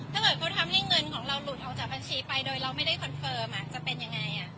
ถ้าเกิดเขาทำให้เงินของเราหลุดออกจากบัญชีไปโดยเราไม่ได้คอนเฟิร์มจะเป็นยังไง